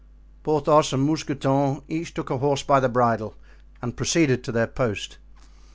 Porthos and Mousqueton each took a horse by the bridle and proceeded to their post.